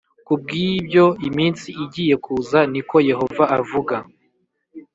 Ku bw ibyo iminsi igiye kuza ni ko yehova avuga